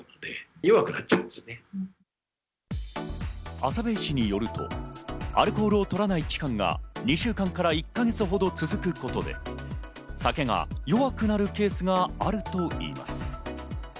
浅部医師によると、アルコールを取らない期間が２週間から１か月ほど続くことで酒が弱くなるケースがあるといいます。